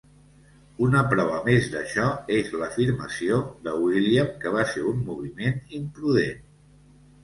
Una prova més d'això és l'afirmació de William que va ser un moviment imprudent.